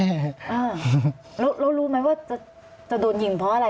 แล้วรู้ไหมว่าจะโดนยิงเพราะอะไร